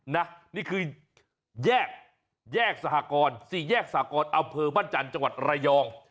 นี่คือแยกแยกสหกรสี่แยกสากรอำเภอบ้านจันทร์จังหวัดระยอง